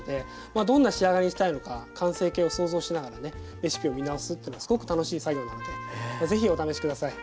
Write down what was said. まあどんな仕上がりにしたいのか完成形を想像しながらねレシピを見直すというのはすごく楽しい作業なのでぜひお試し下さい。